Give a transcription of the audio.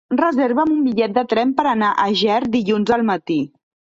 Reserva'm un bitllet de tren per anar a Ger dilluns al matí.